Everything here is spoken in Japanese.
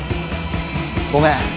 ごめん。